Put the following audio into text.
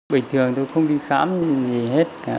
bình thường tôi không đi khám gì hết cả